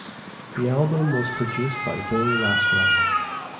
The album was produced by Bill Laswell.